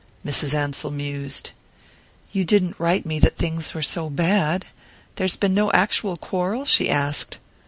Mrs. Ansell mused. "You didn't write me that things were so bad. There's been no actual quarrel?" she asked.